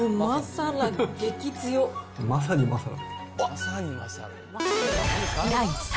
うん、まさにマサラ。